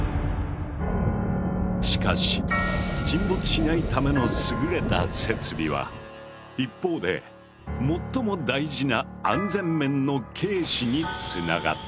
しかし沈没しないための優れた設備は一方で最も大事な安全面の軽視につながった。